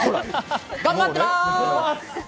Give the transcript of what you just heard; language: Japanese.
頑張ってまーす！